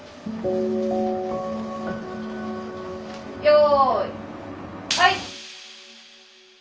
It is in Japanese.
よいはい！